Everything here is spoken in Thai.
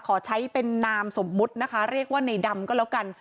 ขอใช้เป็นนามสมมุตินะคะเรียกว่าในดำก็แล้วกัน